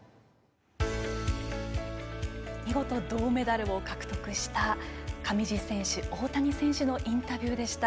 見事銅メダルを獲得した上地選手、大谷選手のインタビューでした。